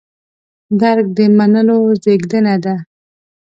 درک د منلو زېږنده ده.